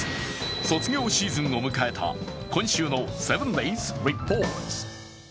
卒業シーズンを迎えた今週の「７ｄａｙｓリポート」。